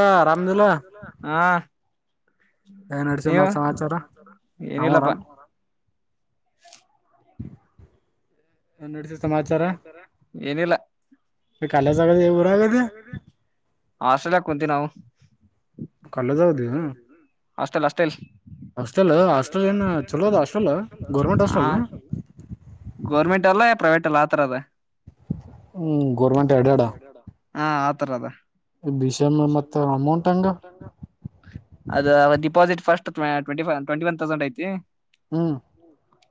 ಹ ಕರಿಯರ ಆರಾಮದಿಲ್ಲ ಆರಾಮ್ ಇದಿಲ್ಲಾ ಹಾ ಏನ್ ನಡ್ಸ ನೀವು ಮತ್ ಸಮಾಚಾರ ನಾವು ಏನಿಲ್ಲಪ್ಪಾ ಆರಾಮ್ ಏನಡಸಿಸ್ ಸಮಾಚಾರ ಏನಿಲ್ಲ ಕಾಲೇಜ್ ಕ ಆಗದೆ ಊರಾಗದೆ ಆಸ್್ರಲ್ಲ ಕೊಂತಿ ನಾವು ಕಲ್ಲಜಾದಾಗ್ ಅದಿಯ ಅಷ್ಟಟೆಲ್ ಅಷ್ಟಟೆಲ್ ಹಾಸ್ಟೆಲ್ ಹಾಸ್ಟೆಲ್ ಏನ ಚಲೋ ಅದ ಹಾಸ್ಟೆಲ್ ಗೌರ್ಮೆಂಟ್ ಹ ಹಾಸ್ಟೆಲ್ನಾ ಗೌರ್ಮೆಂಟ್ ಅಲ್ಲ ಯ ಪ್ರೈವೇಟ್ ಅಲ್ಲ ಆ ತರ ಅದ ಹ್ಮ್ ಗೌರ್ಮೆಂಟ್ ಎಡ ಎಡಾ ಹಾ ಆತರ ಅದ ಸೆ ಮತ್ತ ನುಂಬರ್ಕ ಹಂಗ ಅಮೌಂಟ್ ಹೆಂಗ ಡಿಪಾಸಿಟ್ ಫಸ್ಟ್ ಟ್ಂಟ ಟ್ವೆಟಿ ಒನ್ ತೌಸಂಡ್ ಐತಿ ಹ್ಮ್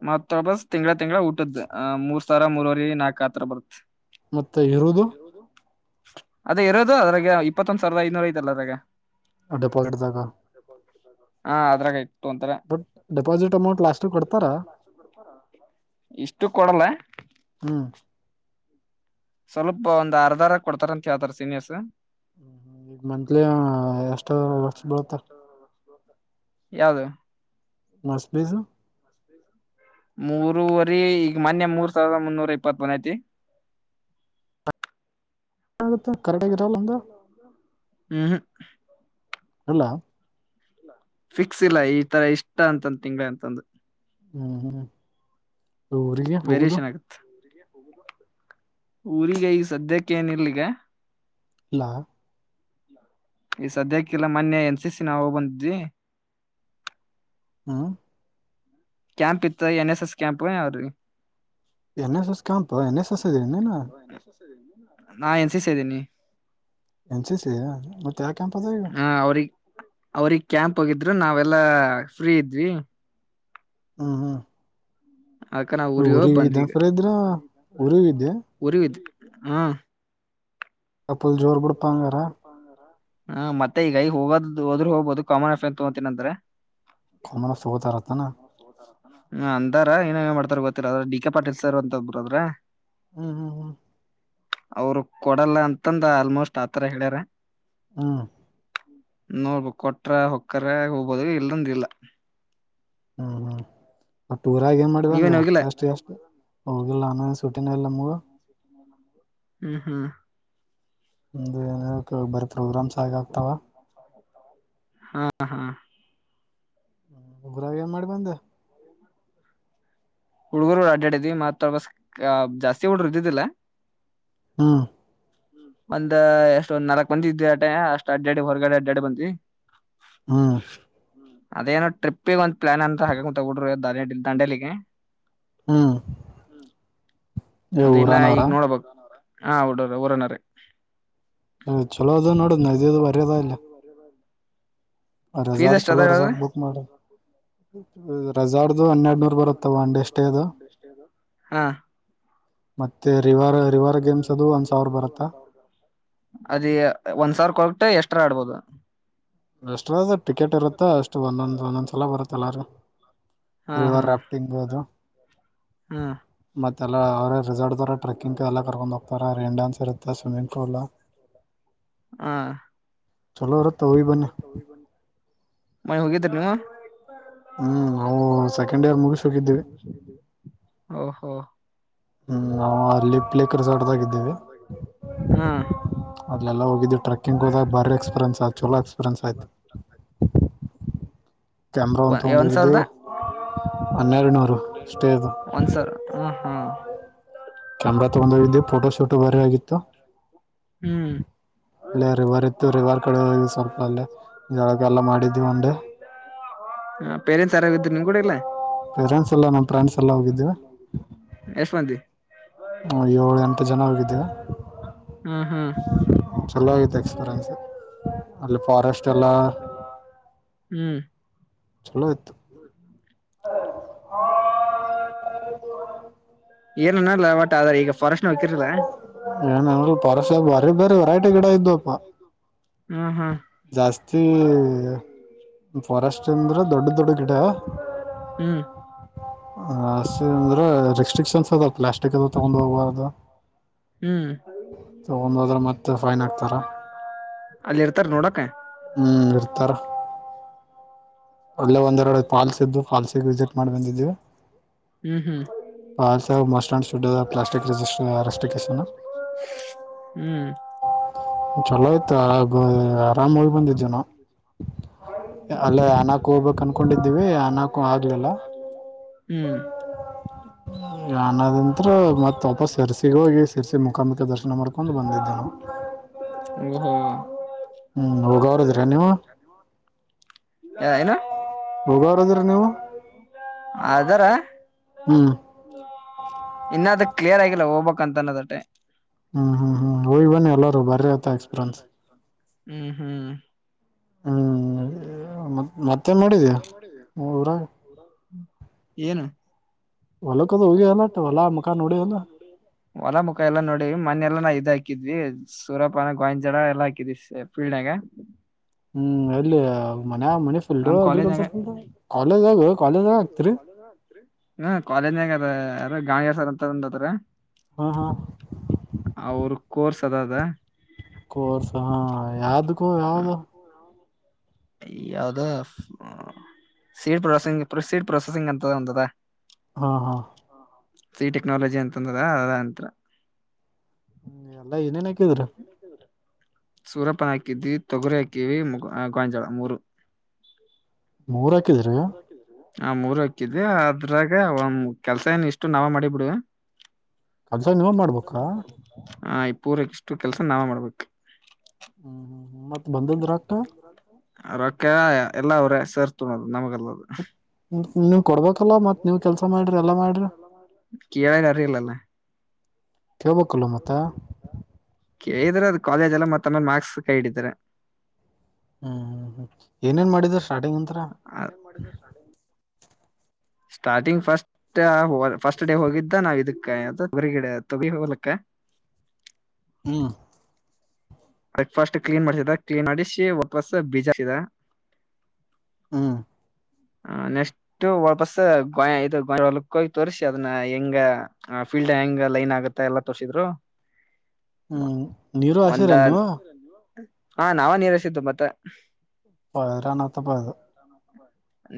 ಮತ್ತ ಬಸ್ ತಿಂಗ್ಗಳಾ ತಿಂಗಳ ಊಟದ ಮೂರ್ ಸಾವರ ಮೂರವರಿ ನಾಕ ಆತರ ಬರುತ್ ಮತ್ತೆ ಇರುವುದು ಅದೇ ಇರೋದು ಅದ್ರಾಗ ಇಪ್ಪತ್ತೊಂದ್ ಸಾವಿರದ ಐನೂರ ಐದಲ್ಲ ಅದ್ರಾಗ ಡಿಪೋಾಜಿಟ್ ತಾಗ ಹಾ ಅದ್ರಾಗಯ್ತು ಬಟ್ ಡೆಪಾಸಿಟ್ ಅಮೌಂಟ್ ಲಾಸ್ಟ್ ಕೊಡ್ತಾರ ಇಷ್ಟು ಕೊಡಲ್ಲ ಹ್ಮ್ ಸ್ವಲ್ಪ ಒಂದ್ ಅರ್ಧಾರ ಕೊಡ್ತಾರಂತ ಹೇಳ್ತಾರ ಸೀಿನಿಯಸ್ ಹ್ಮ್ ಈಗ ಮಂತ್ಲಿ ಎಷ್ಟ ಲಷ್ಟ ಬಿಳತದ ಯಾವದು ಮಷ್ಟಬೀಜು ಮೂರವರಿ ಈಗ ಮೊನ್ಯ ಮೂರ್ ಸಾವಿರದ ಮುನ್ನೂರ ಇಪ್ಪತ್ ಒಂದ ಐತಿ ಆಗುತ್ತ ಹೌದ ಕರೆಕ್ಟ್ ಆಗಿರಲ್ಲ ಆಗಿ ಒಂದು ಎರಲ್ಲ ಹ್ಮ್ ಇಲ್ಲ ಫಿಕ್ಸ್ ಇಲ್ಲ ಈ ತರ ಇಷ್ಟ ಅಂತಂದು ತಿಂಗಗಳ ಅಂತಂದು ಹೂಂ ಹೂಂ ಊರಿಗೆ ಹೋಗುದು ವೇರಿಯೇಷನ್ ಆಗತ್ತೆ ಊರಿಗೆ ಈಗ ಸದ್ಯಕ್ಕೆನಿಲ್ಲ ಈಗ ಲಾ ಈ ಸದ್ಯಕ್ಕೆಲ್ಲ ಮೊನ್ನೆ ಎನ್ ಸಿ ಸಿ ನಾವು ಹೋಗ್ ಬಂದಿದ್ವಿ ಹಾ ಕ್ಯಾಂಪ್ ಇತ್ತು ಎನ್ ಎಸ್ ಎಸ್ ಕ್ಯಾಂಪ್ ಅವ್ರಿಗೆ N S S camp N S S ಅಧಿ ನ ನೀನ ನಾ ಎನ್ ಸಿ ಸಿ ಅದಿನಿ ಎನ್ ಸಿ ಸಿ ಮತ್ತೆ ಯಾವ ಕ್ಯಾಂಪ್ ಅದ ಈಗ ಹಾ ಅವ್ರಿಗೆ ಅವ್ರಿಗೆ ಕ್ಯಾಂಪ್ ಹೋಗಿ ನಾವೆಲ್ಲಾ ಫ್ರೀ ಇದ್ವಿ ಹೂಂ ಹೂಂ ಅಕ್ಕ ನಾವು ಉರಿಗ ಹೋಗ್ ಬಂದ್ವಿ ಈಗ ಇದ್ರ ಬಂದಗ ಊರಿಗ ಇದ್ದೆ ಉರಿಗೆ ಹೋಗಿದ್ವಿ ಹೂಂ. ಫುಲ್ ಜೋರು ಬಿಡ್ಪಾಂಗಾರಾ. ಹಣ್ಣ ಮತ್ತೆ ಈಗ ಈ ಹೋಗೋದ ಹೋದ್ರು ಹೋಗಬಹುದು ಕಾಮನ್ ಎಫೆಕ್ಟ್ ತಗೋತೀನಂದ್ರೆ. ಕಾಮೊನರ್ಸ ತಗೋತಾರ ತಾನೇ. ಹೂಂ ಅಂತಾರ ಇನ್ ಏನ ಮಾಡ್ತಾರ ಗೊತ್ತಿಲ್ಲ ಅದ್ರ ಡಿ ಕೆ ಪಾಟೀಲ್ ಸರ್ ಅಂತ ಒಬ್ರು ಅದರ. ಹ್ಮ ಹ್ಮ ಹ್ಮ್ ಅವರು ಕೊಡಲ್ಲ ಅಂತಂದ ಆಲ್ಮೋಸ್ಟ್ ಆತರ ಹೇಳ್ಯಾರ. ಹ್ಮ ನೋಡಬೇಕ್ ಕೊಟ್ರ ಹೊಕ್ಕ್ರ ಹೋಗಬೋದು ಇಲ್ಲ ಅಂದ್ರ ಇಲ್ಲ. ಹ ಹ ಮತ್ ಉರಗ ಏನ್ ಮಾಡಿದಂಗ ನೀವೇನ್ ಹೋಗಿಲ್ಲ ಎಷ್ಟು ಅಷ್ಟು. ಹೋಗಿಲ್ಲ ಅಣ್ಣ ಸುಟಿನ ಇಲ್ಲ ನಮಗ್. ಹ್ಮ ಹೂಂ. ನಮ್ದು ಏನ್ ಬರ್ತ್ ಪ್ರೋಗ್ರಾಮ್ಸ್ ಹಾಗ ಆಗ್ತಾವ. ಹಾ ಹಾ ಹೂಂ ಉರಗ ಏನ್ ಮಾಡ ಬಂದೆ. ಹುಡ್ಗರು ಅಡಾಡಿದ್ವಿ ಮತ್ ಬಸ್ ಜಾಸ್ತಿ ಹುಡರು ಇದ್ದಿದ್ದಿಲ್ಲ. ಹ್ಮಂ ಒಂದ ಎಷ್ಟ್ ನಾಲ್ಕಕ್ ಮಂದಿ ಇದ್ವೀ ಅಟೆಯ ಅಷ್ಟ ಅಡ್ ಅಡಿ ಹೊರಗಡೆ ಅಡ್ಡಾಡ್ಡಿ ಬಂದ್ವೀ. ಹೂಂ ಅದೇನೋ ಟ್ರಿಪ್ಗಾ ಒಂದ್ ಪ್ಲಾನ್ ಅಂತ ಹಕೋಂತರ ಹುಡುಗ್ರು ದಂಡೇಲಿಗೆ. ಹ್ಮ್ ಏ ಅದೇನ್ನ ಊರಾನವ್ರ ಈಗ ನೋಡಬೆಕ್ ಹಾ ಉಡು ಊರುನರೆ. ಹೊಂ ಚಲೋ ಅದ ನೋಡು ನದಿ [unintelligible] ಫೀಸ್ ರೆಸಾರ್ಟ್ ಎಷ್ಟ ಅದ ಚಲೋ ಹೇಳದು ರೆಸಾರ್ಟ್ ಬುಕ್ ಮಾಡ. ಹ ಮತ್ತೆ ರಿವರ್ ರಿವರ್ ಗೇಮ್ಸ್ ಅದು ಒಂದ್ ಸಾವಿರ ಬರುತ್ತಾ ಅದ ಒಂದ್ ಸವರ ಕೊಟ್ಟ ಎಷ್ಟ್. ಒಟ್ರು ಆಡ್ಬೋದು. ಎಷ್ಟ್ರದ ಟಿಕೆಟ್ ಇರುತ್ತ ಅಷ್ಟು ಒಂದೊಂದ್ ಒಂದೊಂದ್ ಸಲ ಬರುತ್ತಲ್ಲಾರು. ಹಾ ಹಾ ರಿವರ್ ರಾಫ್ಟಿಂಗ್ ಅದು ಹಾ ಮತ್ ತ್ ಎಲ್ಲ ಅವ್ರೆ [unintelligible] ಟ್ರಕ್ಕಿಂಗು ಎಲ್ಲಾ ಕರ್ಕೊಂಡ್ [unintelligible] ರೈನ್ ಡಾನ್ಸ್ ಇರುತ್ತ ಸ್ವಿಮ್ಮಿಂಗ್ ಪೂಲ್ಲ. ಆ ಚಲೋ ಇರುತ್ತ ಹೋಗಿ ಬನ್ನಿ. ಮೊನ್ನೆ ಹೋಗಿದ್ರಏನ್. ಹೂಂ ಹೊ ಹೊ ಹ್ಮ್ ನಾವು ಅಲ್ಲಿ ಪ್ಲೇಕ್ ರೆಸಾರ್ಟ್ದಾಗ ಹಂ ಅಲ್ಲೆಲ್ಲಾ ಹೋಗಿದ್ ಟ್ರಕ್ಕಿಂಗ ಹೋದ ಬಾರಿ ಎಕ್ಸ್ಪೀರಿಯನ್ಸ್ ಆಯ್ತ ಚಲೋ ಎಕ್ಸ್ಪೀರಿಯನ್ಸ್ ಆಯ್ತು. ಕ್ಯಾಮೆರಾ ಒಂದು ತಗೊಂಡ್ ಹೋಗಿದ್ವಿ. ಒಂದಸಾವರ್ ಹ್ಮ ಹ್ಮ. ಕ್ಯಾಮ್ರಾ ತಗೊಂಡೋಗಿದ್ವಿ ಫೋಟೋ ಶೋಟೋ ಬಾರಿ ಆಗಿತ್ತು. ಹ್ಮ್ ಅಲ್ಲೇ ರಿವರ್ ಇತ್ತು ರಿವರ್ ಕಡೆ ಹೋಗ ಸ್ವಲ್ಪ ಅಲ್ಲೇ ಜಳ ಜಲ್ಲ. ಮಾಡಿದೊಂಡೆ. ಹ ಪೇರೆಂಟ್ಸ್ ಯರಾಗಿದರು ನೀವ್ ಕೂಡ ಇಲ್ಲ. ಪೇರೆಂಟ್ಸ್ ಎಲ್ಲ ನಮ್ಮ ಪೇರೆಂಟ್ಸ್ ಫ್ರೆಂಡ್ಸ್ ಇಲ್ಲ ಎಲ್ಲ ನಮ್ ಫ್ರೆಂಡ್ಸ್ ಹೋಗಿದ್ವಿ ಎಲ್ಲ ಹೋಗಿದ್ವಿ, ಎಷ್ಟು ಮಂದಿ. ಹ ಏಳ ಎಂಟು ಜನ ಹೋಗಿದ್ದವೆ ಹ್ಮ್ ಹ್ಮ್ ಚಲೋ ಆಗಿತ್ತು ಎಕ್ಸ್ಪೀರಿಯನ್ಸ್ ಅಲ್ಲಿ ಫಾರೆಸ್ಟ್ ಎಲ್ಲ. ಹ್ಮ್ ಚಲೋ ಇತ್ತು. ಏನನಲ್ಲವಟ ಆದ ಈಗ. ಫಾರೆಸ್ಟ್ ಹಕಿರ್ಲ ಏನ ಪರಸ ಬಾರಿ ಬಾರಿ ವೆರೈಟಿ ಗಿಡ ಇದವಪ್ಪಾ ಹ್ಮ ಹ್ಮ ಜಾಸ್ತಿ ಫರೆಸ್ಟ್ ಅಂದ್ರ ದೊಡ್ಡ ದೊಡ್ಡ ಗಿಡ ಹ್ಮ್ ಅಂದ್ರೆರಿಕ್ಷಾ ಸ್ಟ್ರಿಕ್ಷನ್ಸ್ ಅದ ಪ್ಲಾಸ್ಟಿಕ್ ಅದು ತಗೊಂಡು ಹೋಗಬಾರು ಹ್ಮ್ ತಗೊಡ ಹೋದ್ರ ಮತ್ತೆ ಫೈನ್ ಹಕ್ತಾರ ಅಲ್ಲಿ ಇರ್ತಾರ ನೋಡಕ್ ಹ್ಮ್ ಇರ್ತಾರ ಒಳ್ಳೆ ಒಂದೆರಡು ಪಫಾಲ್ಸ್ ಇದ್ದು ಪಫಾಲ್ಸಿಗೆ ವಿಸಿಟ್ ಮಾಡಿ ಬಂದಿದ್ದೀವಿ ಹ್ಮ್ ಹ್ಮ್ ಪಲ್ಸ್ ಮೋಸ್ಂಡ್ಡ್ ಪ್ಲಾಸ್ಟಿಕ್ಜಿಸ್ಟ ಅಸ್ಟನ್ ಹ್ಮ್ ಚಲೋ ಆಯ್ತು ಆ ಆರಾಮಾಗಿ ಬಂದಿದ್ದೆನ ಅಲ್ಲೇ ಅನಾಕು ಹೋಗ್ಬೇಕಕ್ ಅನ್ಕೊಂಡಿದ್ದೀವಿ ಅನಕು ಆಗ್ಲಿಲ್ಲ ಹ್ಮ್ ಅನದಂತ್ರ ಮತ್ಪ ಸೆರ್ಸಿಗ ಹೋಗಿ ಸರ್ಸಿ ಮುಖಾಮುಖ ದರ್ಶನ ಮಾಡ್ಕೊಂಡು ಬಂದಿದ್ದೆಾನ ಓಹ ಹ್ಮ್ ಹೋಗವ್ರದಿರ ನೀವು ನಾ [unintelligible] ಹೋಗವ್ರದಿರ ನೀವು ಹ್ಮ್ ಇನ್ನಾದ ಕ್ಲಿಯರ್ ಆಗಿಲ್ಲ ಹೋಗ್ಬೇಕಕ್ ಅಂತ ಅನ್ನೋದಟ್ಟೆ ಹ್ಮ್ ಹ್ಮ್ ಹ್ಮ್ ಹಯ್ ಬನ್ನಿ ಎಲ್ಲಾರೂ ಬರ ಹ್ಮ್ ಹ್ಮ್ ಹ್ಮ್ ಮತ್ತೇನ್ ಮಾಡಿದ್ಯಾ ಮತ್ತ ಊರಾಗ ಏನು ಹೊಲಕ್ಕದು ಹೋಗಿ ಅಲ್ಲಟ ಹೊಲ ಮುಖ ನೋಡಿ ಅಲ್ಲ ಹೊಲ ಮುಖ ಎಲ್ಲ ನೋಡಿ ಮನೆೆಯಲ್ಲ ನಾ ಇದಾಕಿ ಹಾಕಿದ್ವಿ ಸೂರಪ್ಪನ ಗೋಯಂಜಡ ಎಲ್ಲಾ ಹಾಕಿದ್ವಿ ಫೀಲ್ನಾಗ ಹ್ಮ್ ಎಲ್ಲಿ ಮನ್ ಮನೆ ಫೀಲ್ಡ್ ನಮ್ ಕಾಲೇಜ್ನಾಗ ಅಗ್ರಿಕಲ್ಚರ್ ಫೀಲ್ಡ್ ಕಾಲೇಜ್ ಆಗ ಕಾಲೇಜ್ ಆಗ್ತರಿ ಹ್ಮ ಕಾಲೇಜ್ನಾಗ ಅದ ಯ ಗಾವ ಸರ್ ಅಂತತ್ರ್ರ ಹಾ ಹಾ ಅವ್ರ ಕೋರ್ಸ್ ಅದ ಅದ ಕೋರ್ಸ ಹಾ ಯಾವ್ದಕ್ಕೂ ಯಾವ್ದ ಯಾವ್ದ ಸೀಡ್ ಪ್ರೊಸೆಸಿಂಗ್ ಸೀಡ್ ಪ್ರೊಸೆಸಿಂಗ್ ಅಂತದ ಒಂತದ ಹಾ ಹಾ ಸಿ ಟೆಕ್ನಾಲಜಿ ಅಂತಂದದ ಅದ ಅಂತ್ರ ಹ್ಮ್ ಎಲ್ಲಾ ಏನೇನ್ ಹಾಕಿದ್ರ ಸೂರಪ್ಪನ ಹಾಕಿದ್ದಿ ತೊಗುರಿ ಹಾಕಿವ ಗಾಂಜಳ ಮೂರು ಮೂರ ಹಾಕಿದೀರ ಆ ಮೂರು ಹಕ್ಕಿದ್ ಅದ್ರಾಗ ಒ ಕೆಲ್ಸ ಏನ್ ಇಷ್ಟು ನಾವ ಮಾಡಿ ಬಿಡ್ ಕಲ್ಸ ನೀವ ಮಾಡ್ಬೇಕಾ ಹ ಈ ಪೂರಕಿಷ್ಟು ಕೆಲ್ಸ ನಾವೇ ಮಾಡ್ಬೇಕು ಹ್ಮ್ ಹ್ಮ್ ಮತ್ತತ್ ಬಂದಂದ್ರಕ್ತ ಅರಕ ಎಲ್ಲ ಅವ್ರೆ ಸೇರ್ತೋದು ನಮಗೆಲ್ಲದು ನೀವ್ ಕೊಡ್ಬೇಕಲ್ಲ ಮತ್ ನೀವ್ ಕೆಲ್ಸ ಮಾಡ್ರಿ ಎಲ್ಲಾ ಮಾಡ್ರಿ ಕೇಳ ಅರಿಲ್ಲಲ್ಲ ಕೇಳ್ಬೇಕಲ್ಲ ಮತ್ತ ಕೇಳಿದ್ರೆ ಅದು ಕಾಲೇಜ್ ಎಲ್ಲ ಮತ್ತೊಮ್ಮೆ ಮಾರ್ಕ್ಸ್ ಕೈ ಹಿಡಿದ್ರ ಹ್ಮ್ ಹ್ಮ್ ಹ್ಮ್ ಏನೇನ್ ಮಾಡಿದಾರ ಆಳ ಮಾಡಗ ಶಳ ಸ್ಟಾರ್ಟಿಂಗ್ ಫಸ್ಟ್ ಫಸ್ಟ್ ಡೇ ಹೋಗಿದ್ದ ನಾವ್ ಇದಕ್ಕೆ ಹೊಗಡೆ ತಿ ಹೋಗಲಕ್ಕ [inaudible] ಹ್ಮ [unintelligible] ಬ್ರಕ್ಫಾಸ್ಟ್ ಕ್ಲೀನ್ ಮಾಡ್ಸಿದ ಕ್ಲೀನ್ ಮಾಡಿ ಒಟ್ಟ ವರ್ಸ ಬೀಜಿದ ಹ್ಮ ಹ ನೆಕ್ಸ್ಟ್ ವಪಸ್ ಗ ಇ ಗಕ್ಕೋಗಿ ತೋರಿಸಿ ಅದನ್ನ ಹೆಂಗ ಫೀಲ್ಡ್ ಹೆಂಗ ಲೈನ್ ಆಗುತ್ತಾ ಎಲ್ಲಾ ತೋರ್ರಿಸಿದ್ರು ಹ್ಮ್ ನೀರು ಆಶೇರನ್ನಿವ ಹಾ ನಾವ ನೀರಸಿದ್ದು ಮತ್ತೆ ಪಯರಾನತ್ತ ಪಯದು ಹ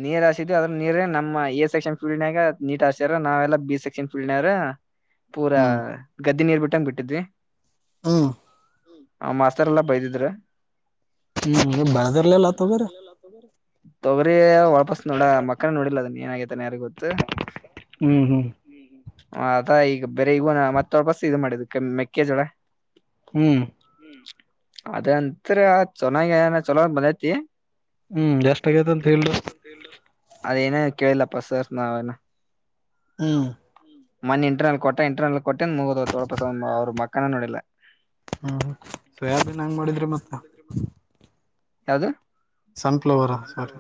ನೀರ್ ಹಾಸಿದವಿ ಅದ್ರ ನೀ್ರ ನಮ್ಮ ಎ ಸೆಕ್ಷನ್ ಫೀಲ್ಾಗ ನೀಟ್ ಹಸಾರ ನಾವೆಲ್ಲ ಬಿ ಸೆಕ್ಷನ್ ಫೀಲ್ನ್ರ ಪೂರಾ ಹ್ಮ್ ಗದ್ದೆ ನೀರ್ ಬಿಟ್ಟಂಗ ಬಿಟ್ಟಿದ್ವಿ ಹ ಆ ಮಾಸ್ತರೆಲ್ಲ ಬೈದಿದ್ರ ಹ್ಮ್ ಬಳದರಲ್ಲಲ್ಲತ ಬರ ತೊಗರಿ ಒಳಪಸ್ ನೋಡ ಮಕ್ಕನ ನೋಡಿಿಲ್ಲ ಅದ ನೀ ನ ನ್ ಯಾರಿ ಗೊತ್ತು್ಮ ಹ್ಮ್ ಹ್ಮ್ ಹ ಅದ ಈಗ ಬೇರೆ ಇಗೂನ ಮತ್ತೊಳಪಸ ಇದು ಮಾಡಿದ ಮೆಕ್ಕೆಜೋಳ ಹ್ಮ್ ಅದಂತ್ರ ಚೆನ್ನಾಗಿ ಚನ್ನ ಬಂದೈತಿ ಹ್ಮ್ ಎಷ್ಟ ಆಗೇತ ಅಂತ ಹೇಳ್ದು ಅದೇನೇ ಕೇಳಿಲ್ಲಪ್ಪ ಸರ್ ನಾವೇನ ಹಾ ಮನೆಿ ಇಂಟರ್ನಲ್ ಕೊಟ್ಟ ಇಂಟರ್ನಲ್ ಕೊಟ್ಟ ಮುಗ ತೋಳಪಸ ಅವ್ರ ಮಕ್ಕನ ನೋಡಿಲ್ಲ ಹ್ಮ್ ಸೋಯಾಬೀನ್ ಹಂಗ್ ಮಾಡಿದ್ರಿ ಮತ್ತ ಯಾವ್ದ ಸನ್ಫ್ಲವರಾ ಸಾರಿ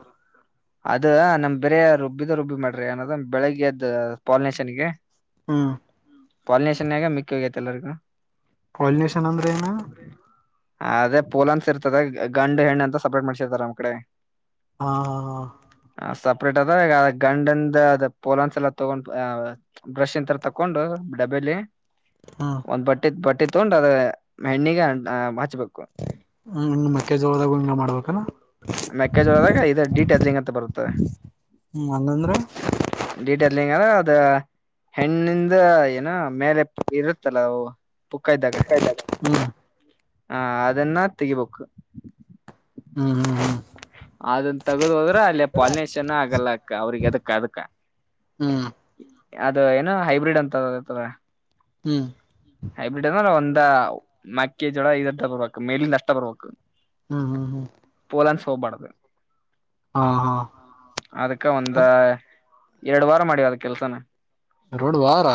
ಅದ ನಮ್ ಬೇರೆ ರುಬ್ಬಿದ ರುಬ್ಬಿ ಮಾಡ್ರಿ ಏನದ ಬೆಳಿಗ್ಗೆ ಅದ ಪಾಲಿನೇಷನ್ಗೆ ಹ್ಮ್ ಪಾಲಿನೇಷನ್ಾಗ ಮಿಕ ವ್ಯತಲ್ಲರುಕ್ಕ ಪಾಲಿನೇಷನ್ ಅಂದ್ರ ಏನಾ ಅದೇ ಪೋಲ ಅನ್ಸ ಇರ್ತದೆದ ಗಂಡು ಹೆಣ್ಣ ಅಂತ ಸಪ್ರೇಟ್ ಮಾಡ್ಸಿರ್ತಾರ ನಮ್ಮ್ ಕಡೆ ಹಾ ಹಾ ಹಾ ಅಪ್ರೇಟ್ ಅದ ಈ ಗಂಡಂದ ಪೋಲ್ನ್ಸ ಎಲ್ಲ ತಗೊಂಡ್ ಬ್ರಷ್ ಇ ತರ ತಕೊಂಡು ಡಬಲಿ ಹ್ಮ್ ಒಂದ್ ಬಟ್ಟೆ ಬಟ್ಟೆ ತೊಂಡ ಅದ ಹೆಣ್ಣಿಗೆ ಹಚ್ಬೇಕು ಹ್ಮ್ ಮೆಕ್ಕೆಜೋಳದಾಗ ಹಿಂಗ ಮಾಡ್ಬೇಕನ ಮೆಕ್ಕೆಜೋಳದಾಗ ಇ ಡಿಟ್ಯಾಲಿಂಗ್ ಅಂತ ಬರುತ್ತೆ ಹ್ಮ್ ಹಂಗಂದ್ರೆ ಲ್ಲಿಂಗಾರ ಅದ ಹೆಣ್ಣಿಂದ ಏನ ಮೇಲೆ ಇರುತ್ತಲ್ಲ ಅವು ಪುಕ್ಕ ಇದ್ದಾಗ ಹ್ಮ್ ಹ ಅದನ್ನ ತೆಗಿಬೇಕು ಹ್ಮ್ ಹ್ಮ್ ಹ್ಮ್ ಅದನ್ ತಗದು್ ಹೋದ್ರ ಅಲ್ಲಿ ಪಾಲಿನೇಷನ್ ಆಗಲ್ಲ ಅಕ್ಕ ಅವ್ರಿಗೆ ಅದಕ್ಕ ಅದಕ್ಕ ಹ್ಮ್ ಅದು ಏನು ಹೈಬ್ರಿಡ್ ಅಂತತದ ಹ ಹೈಬ್ರಿಡ್ ಅಂದ್ರ ಒಂದ ಮಕ್ಕಿ ಜೋಳ ಇದರ್ ಬರ್ಬೇಕು ಮೇಲಿಂದ ಅಷ್ಟ ಬರ್ಬೇಕು ಪೋಲಂಡ್ ಸೋಬಡ ಹ ಅದಕ್ಕ ಒಂದ ಎರಡು ವಾರ ಮಾಡಿವವ ಅದ ಕೆಲ್ಸನ ಎಡು ವಾರ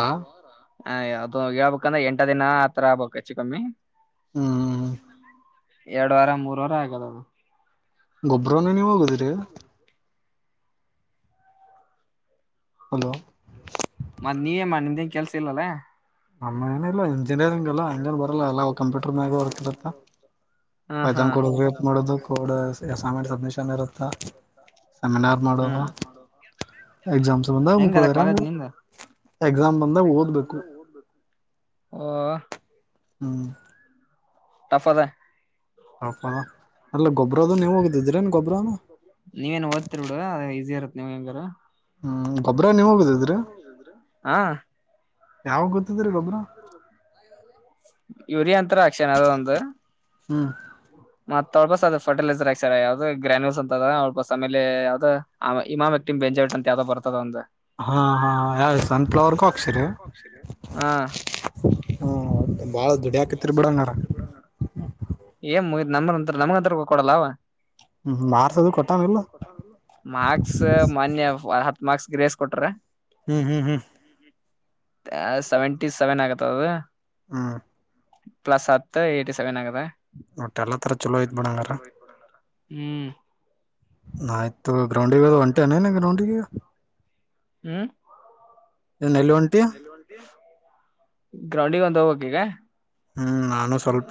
ಹ ಯಾವ್ದದು ಹೇಳ್ಬೇಕಂದ್ರೆ ಎಂಟ ದಿನ ಆತರ ಆಗ್ಬ ಹೆಚ್ಚು ಕಮ್ಮಿ ಹ್ಮ್ ಎರಡುುವಾರ ಮೂರ್ ವಾರ ಆಗದದು ಗೊಬ್ಬ್ರನ ನೀವು ಹೋಗುದಿರಿ ಹಲೋ ಮತ್ತ ನೀವೇ ಮಾಡ ನಿಮೇನ್ ಕೆಲ್ಸ ಇಲ್ಲಲ್ಲ ನಮ್ಮ ಏನ ಇಲ್ಲ ಇಂಜಿನಿಯರಿಂಗ್ ಅಲ್ಲ ಹಂಗನ್ ಬರಲ್ಲ ಎಲ್ಲ ಕಂಪ್ಯೂಟರ್ ಮ್ಯಾಗ ಬರ್ತಿರತ್ತ ಹ ಹಾ ನ್ ಕೋಡ್ ಮಾಡುದು ಕೋಡ್ಸೈನ್ಟ್ ಸಬ್ಮಿಷನ್ ಇರುತ್ತ ಸೆಮಿನಾರ್ ಮಾಡ ಹಾ ಎಕ್ಸಾಮ್ಸ್ ಬಂದಾಗ ಮುಕಳರ ಎಕ್ಸಾಮ್ ಬಂದಾಗ ಓದ್ಬೇಕು ಹಾ ಹ್ಮ ಟಫದ ಅಕಣ ನೀವೇನ್ ಓದ್ತರಿ ಬಿಡು ಈಸಿ ಇರತ್ ನೀವ್ ಹೆಂಗಾರ ಹ್ಮ್ ಗೊಬ್ಬ್ರ ನೀವ್ ಹೋಗಿದಿದ್ರಿ ಹಾ ಯಾವ ಗೊ ಯುರಿ ಅಂತರ ಅಕ್ಷನ್ ಅದ ಒಂದು ಹ್ಮ ಮತ್ತ ತಳ್ ಬಸ್ ಅ ಫರ್ಲೈಸರ್ ಆಾಿ ಸರ್ ಯಾವ್ದ್ ಗ್ರಾನನ್ಯಲ್ಸ್ ಅಂತದಸ್ ಆಮೇಲೆ ಯಾವ್ದ ಇಮಾಮಕ್ಟಂ ಜಟ್ ಅ ಯಾವ್ದೋ ಬರ್ತದ ಒಂದು ಹಾ ಹಾ ಯಾವ ಸನ್ಫ್ಲವರ್ ಕಾಕ್ಸ್ರಿ ಹ ಹ್ಮ ಬಾಳ ದುಡಿ ಹಾಕತಿರಿ ಬಿಡಂಗಾರ ಏ್ ಮು್ ನಮಂತ್ರ ನಮ್ಗೆಂಂತ ಹ ಕೊಡಲ್ಲವ ಹ್ಮ್ ಮಾರ್ಸದು ಕೊಟ್ಟಾನಿಲ್ಲ ಮಾರ್ಕ್ಸ ಮನ್ ಮಾರ್ಕ್ಸ್ ಗ್ರೇಸ್ ಕೊಟ್ರ ಹ್ಮ್ ಹ್ಮ್ ಹ್ಮ್ ಸೆವೆಂಟಿ ಸೆವೆನ್ ಆಗತ್ತ ಅದ ಹ ಪ್ಲಸ್ ಹತ್ತು ಏ್ಟಸೆವೆನ್ ಆಗದಾ ಒೋಟ್ಟ ಎಲ್ಲ ತರ ಚಲೋ ಇದ್ ಬಣಂಗಾರ ಹ್ಮ್ ನಯ್ತು ಗ್ರೌಂಡಿಗೆ ಅ ಒಂಟೆನೇನ ಗ್ರೌಂಡಿಗೆ ಹ್ಮ್ ಏನ್ ಎಲ್ಲಿ ಒಂಟಿ ಗ್ರೌಂಡಿಗೆ ಒಂದು ಹೋಗಕಿ ಈಗ ಹ್ಮ್ ನಾನು ಸ್ವಲ್ಪ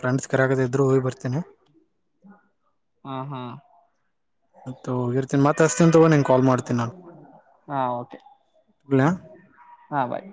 ಫ್ರೆಂಡ್ಸ್ ಕರಗದ ಇದ್ರು ಹೋಗಿ ಬರ್ತೇನೆ ಹಾ ಹಾ ತ್ತತ್ ಅ ಹಾ ಓಕೆ ಇಡ್ಲಾ ಹಾ ಭಾಯ್